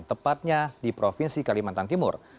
tepatnya di provinsi kalimantan timur